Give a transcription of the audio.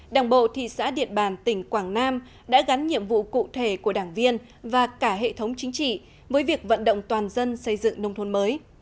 đảng bộ thị xã điện bàn tỉnh quảng nam đã gắn nhiệm vụ cụ thể của đảng viên và cả hệ thống chính trị với việc vận động toàn dân xây dựng nông thôn mới